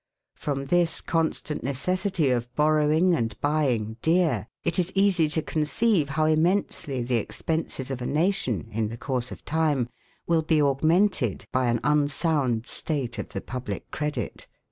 From this constant necessity of borrowing and buying dear, it is easy to conceive how immensely the expenses of a nation, in the course of time, will be augmented by an unsound state of the public credit."